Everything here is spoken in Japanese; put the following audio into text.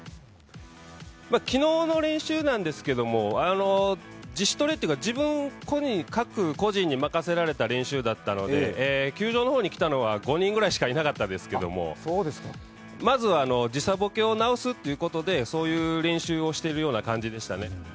昨日の練習なんですけども自主トレというか自分、各個人に任せられた練習でしたので球場の方に来たのは５人ぐらいしかいなかったですけども、まず時差ぼけを治すということでそういう練習をしていましたね。